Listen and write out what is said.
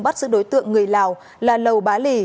bắt giữ đối tượng người lào là lầu bá lì